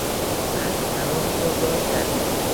اسب طناب خود را جوید.